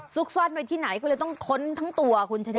ซ่อนไว้ที่ไหนก็เลยต้องค้นทั้งตัวคุณชนะ